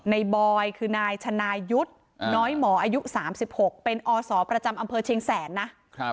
บอยคือนายชนายุทธ์น้อยหมออายุ๓๖เป็นอศประจำอำเภอเชียงแสนนะ